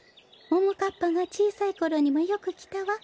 ももかっぱがちいさいころにもよくきたわ。